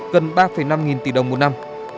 gần ba năm nghìn tỷ đồng một năm